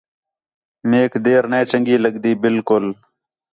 میک دیر نَے چَنڳی لڳدی بالکل